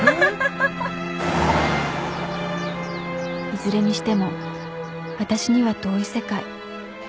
「いずれにしてもわたしには遠い世界。